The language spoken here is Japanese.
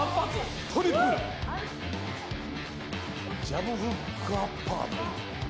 ジャブ、フック、アッパーと。